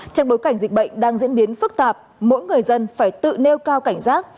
trong bối cảnh dịch bệnh đang diễn biến phức tạp mỗi người dân phải tự nêu cao cảnh giác